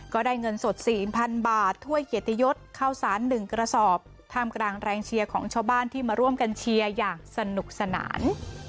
ก็ได้เงินสด๔๐๐๐บาทถ้วยเกียรติยศเข้าสาร๑กระสอบท่ามกลางแรงเชียร์ของชาวบ้านที่มาร่วมกันเชียร์อย่างสนุกสนาน